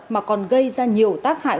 mà còn gây ra nhiều tác hại